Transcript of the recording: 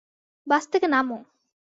বাস থেকে নামো!